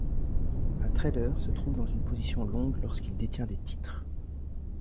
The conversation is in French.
Un trader se trouve dans une position longue lorsqu'il détient des titres.